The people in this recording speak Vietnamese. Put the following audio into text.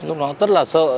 lúc đó rất là sợ